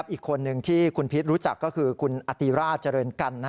อีกคนนึงที่คุณพีชรู้จักก็คือคุณอติราชเจริญกัน